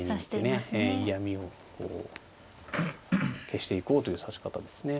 ええ嫌みを消していこうという指し方ですね。